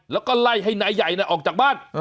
แล้วก็ไล่ให้นายใหญ่ออกจากบ้าน